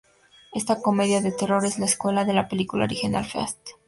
Esta comedia de terror es la secuela de la película original Feast.